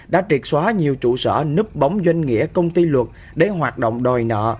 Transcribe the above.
đã triệt xóa nhiều trụ sở núp bóng doanh nghĩa công ty luật để hoạt động đòi nợ